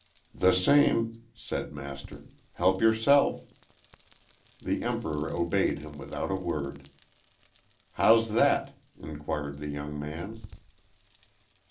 "The same," said Master. "Help yourself." The Emperor obeyed him without a word. "How's that?" inquired the young man.